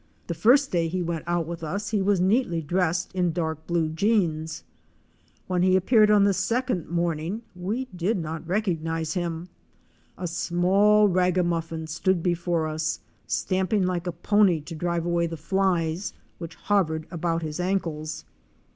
The first day he went out with us he was neatly dressed in dark blue jeans. When he appeared on the second morning we did not recognize him. A small ragamuffin stood before us, stamping like a pony to drive away the flies, which hovered Fic. 53. SHEATH IN FIG. 52, COVERING THE FLOWER OF A PALM. about his ankles.